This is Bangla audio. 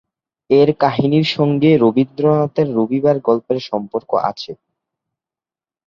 এর কাহিনীর সঙ্গে রবীন্দ্রনাথের "রবিবার" গল্পের সম্পর্ক আছে।